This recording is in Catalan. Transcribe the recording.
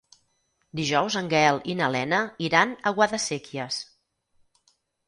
Dijous en Gaël i na Lena iran a Guadasséquies.